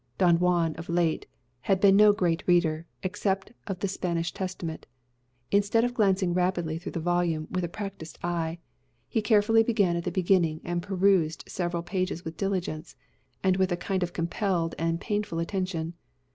Don Juan, of late, had been no great reader, except of the Spanish Testament. Instead of glancing rapidly through the volume with a practised eye, he carefully began at the beginning and perused several pages with diligence, and with a kind of compelled and painful attention.